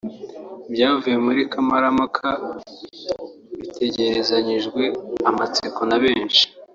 Ibyavuye muri Kamarampaka bitegerezanyijwe amatsiko na benshi